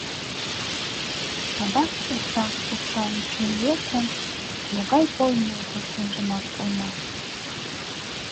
Адак эрта шупшалын чуриетым Могай полмезе чынжымак улмаш!